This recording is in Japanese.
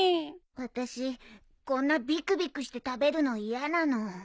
私こんなびくびくして食べるの嫌なの。